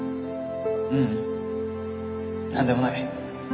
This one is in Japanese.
ううん何でもない